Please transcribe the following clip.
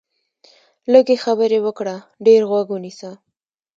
لږې خبرې وکړه، ډېر غوږ ونیسه